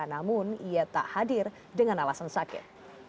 namun ia tak hadir dengan alasan sakit